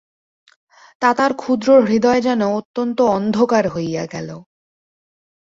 তাতার ক্ষুদ্র হৃদয় যেন অত্যন্ত অন্ধকার হইয়া গেল।